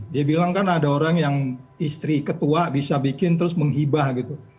dia bilang kan ada orang yang istri ketua bisa bikin terus menghibah gitu